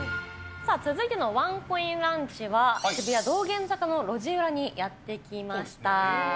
続いてのワンコインランチは、渋谷・道玄坂の路地裏にやって来ました。